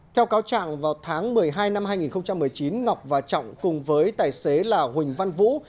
theo cáo trạng vào tháng một mươi hai năm hai nghìn một mươi chín ngọc và trọng cùng với tài xế là huỳnh văn vũ